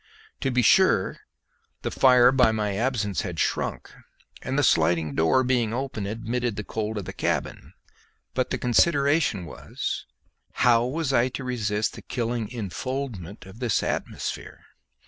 To be sure the fire by my absence had shrunk, and the sliding door being open admitted the cold of the cabin; but the consideration was, how was I to resist the killing enfoldment of this atmosphere?